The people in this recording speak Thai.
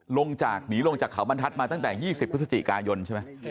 ลงจากหนีลงจากเขาบรรทัศน์มาตั้งแต่๒๐พฤศจิกายนใช่ไหม